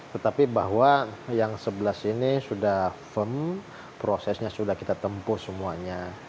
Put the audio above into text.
tetapi bahwa yang sebelas ini sudah firm prosesnya sudah kita tempuh semuanya